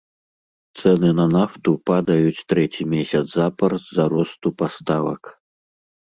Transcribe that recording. Цэны на нафту падаюць трэці месяц запар з-за росту паставак.